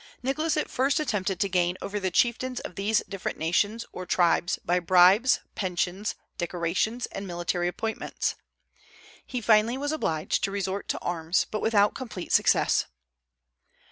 Nicholas at first attempted to gain over the chieftains of these different nations or tribes by bribes, pensions, decorations, and military appointments. He finally was obliged to resort to arms, but without complete success.